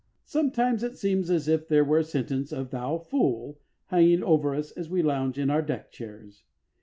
Sometimes it seems as if there were a sentence of "Thou fool" hanging over us as we lounge in our deck chairs.